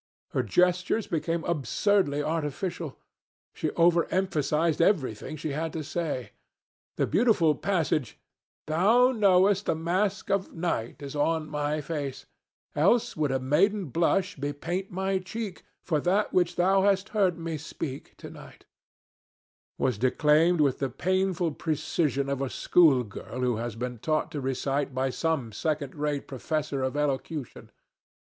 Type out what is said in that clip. Her gestures became absurdly artificial. She overemphasized everything that she had to say. The beautiful passage— Thou knowest the mask of night is on my face, Else would a maiden blush bepaint my cheek For that which thou hast heard me speak to night— was declaimed with the painful precision of a schoolgirl who has been taught to recite by some second rate professor of elocution.